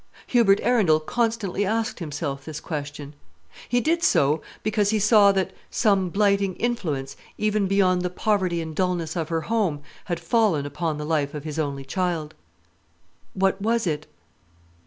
Hubert Arundel constantly asked himself this question. He did so because he saw that some blighting influence, even beyond the poverty and dulness of her home, had fallen upon the life of his only child. What was it?